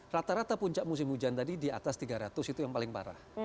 rata rata puncak musim hujan tadi di atas tiga ratus itu yang paling parah